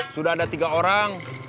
sudah ada tiga orang